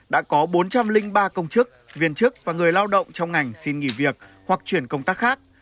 đã có bốn trăm linh ba công chức viên chức và người lao động trong ngành xin nghỉ việc hoặc chuyển công tác khác